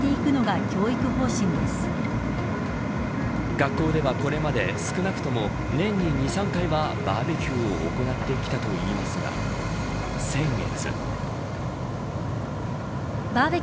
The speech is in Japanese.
学校ではこれまで少なくとも年に２、３回はバーベキューを行ってきたといいますが先月。